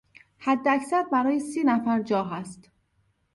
حداکثر برای سینفر جا هست.